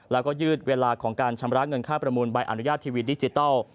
แล้วก็ยืดเวลาของการชำระเงินค่าประมูลใบอนุญาตทีวีดิจิทัล